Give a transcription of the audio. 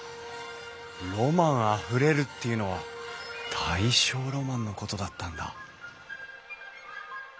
ロマンあふれるっていうのは大正ロマンのことだったんだ。